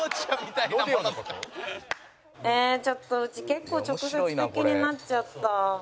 ええちょっとうち結構直接的になっちゃった。